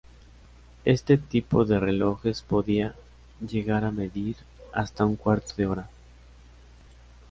Este tipo de relojes podía llegara medir hasta un cuarto de hora.